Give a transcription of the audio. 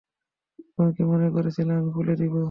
তুমি কি মনে করছিলে আমি খুলে দিব।